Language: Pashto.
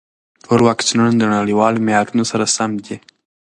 ټول واکسینونه د نړیوالو معیارونو سره سم دي.